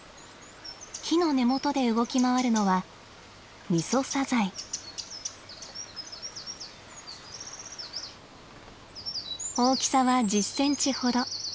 木の根元で動き回るのは大きさは１０センチほど。